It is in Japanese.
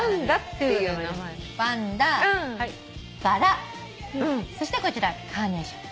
バンダバラそしてこちらカーネーション。